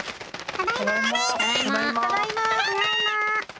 ただいま。